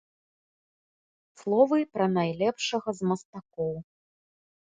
Словы пра найлепшага з мастакоў.